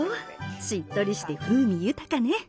しっとりして風味豊かね。